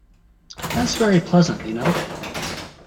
That's very pleasant, you know!